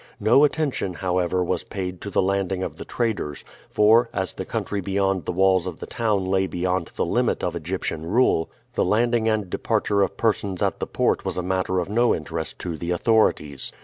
No attention, however, was paid to the landing of the traders, for, as the country beyond the walls of the town lay beyond the limit of Egyptian rule, the landing and departure of persons at the port was a matter of no interest to the authorities.